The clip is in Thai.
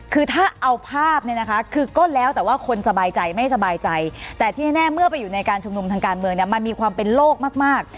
คือถ้าเอาภาพเนี่ยนะคะคือก็แล้วแต่ว่าคนสบายใจไม่สบายใจแต่ที่แน่เมื่อไปอยู่ในการชุมนุมทางการเมืองเนี่ยมันมีความเป็นโลกมาก